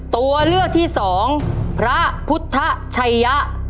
ตัวเลือกที่สองพระพุทธชัยยะ